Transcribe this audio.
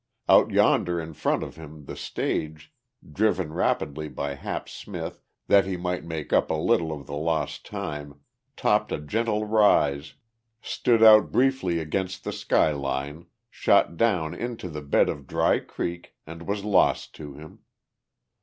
Out yonder in front of him the stage, driven rapidly by Hap Smith that he might make up a little of the lost time, topped a gentle rise, stood out briefly against the sky line, shot down into the bed of Dry Creek and was lost to him.